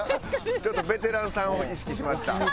ちょっとベテランさんを意識しました。